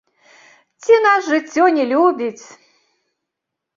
Ці нас жыццё не любіць?